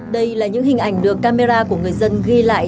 đây là những hình ảnh được camera của người dân ghi lại